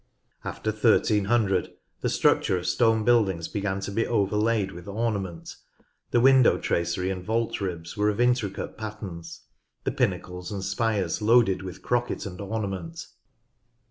After 1300 the structure of stone buildings began to be overlaid with ornament, the window tracery and vault ribs were of intricate patterns, the pinnacles and spires loaded with crocket and ornament.